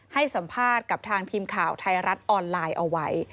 ให้สัมภาษณ์กับทางทีมข่าวไทยรัฐออนไลน์เอาไว้